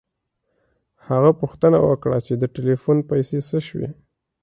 هغه پوښتنه وکړه چې د ټیلیفون پیسې څه شوې